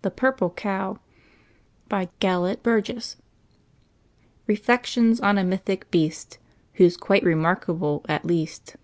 THE PURPLE COW BY GELETT BURGESS _Reflections on a Mythic Beast, Who's Quite Remarkable, at Least.